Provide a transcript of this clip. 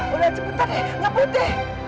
udah cepetan nih nggak putih